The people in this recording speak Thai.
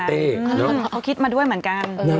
เขาคิดมาด้วยเหมือนกัน